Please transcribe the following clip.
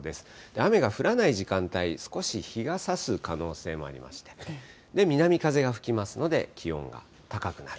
雨が降らない時間帯、少し日がさす可能性もありまして、南風が吹きますので、気温が高くなる。